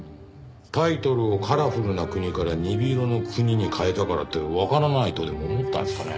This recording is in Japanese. タイトルを『カラフルなくに』から『鈍色のくに』に変えたからってわからないとでも思ったんですかね？